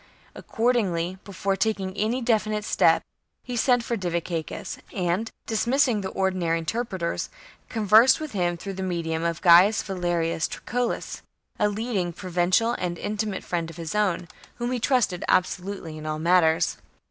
Accord ingly, before taking any definite step, he sent for Diviciacus, and, dismissing the ordinary inter preters, conversed with him through the medium of Gaius Valerius Troucillus, a leading Pro vincial and an intimate friend of his own, whom he trusted absolutely in all matters.